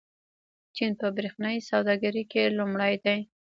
چین په برېښنايي سوداګرۍ کې لومړی دی.